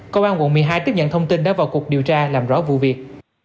công an quận một mươi hai tiếp nhận thông tin đã vào cuộc điều tra làm rõ vụ việc